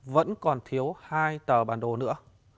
vẫn còn thiếu hai tờ bản đồ nữa